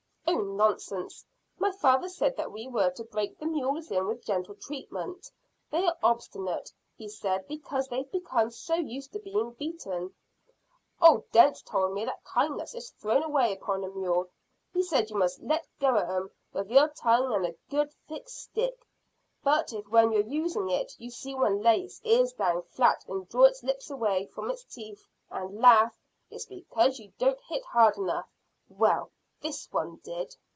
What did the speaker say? "Oh, nonsense! My father said that we were to break the mules in with gentle treatment. They are obstinate, he said, because they've become so used to being beaten." "Old Dence told me that kindness is thrown away upon a mule. He said you must let go at 'em with your tongue and a good thick stick; but if when you're using it you see one lay its ears down flat and draw its lips away from its teeth and laugh, it's because you don't hit hard enough. Well, this one did."